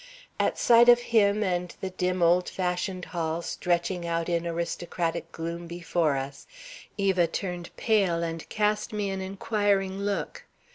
At sight of him and the dim, old fashioned hall stretching out in aristocratic gloom before us, Eva turned pale and cast me an inquiring look.